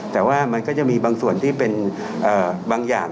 แต่ว่ามันก็จะมีบางส่วนที่เป็นบางอย่าง